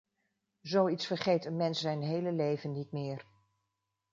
Zoiets vergeet een mens zijn hele leven niet meer.